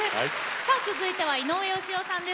さあ続いては井上芳雄さんです。